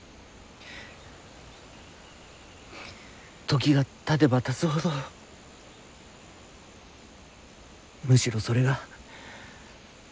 時がたてばたつほどむしろそれが重くなる。